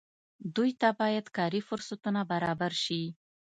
دوی ته باید کاري فرصتونه برابر شي.